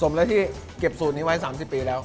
เลยที่เก็บสูตรนี้ไว้๓๐ปีแล้ว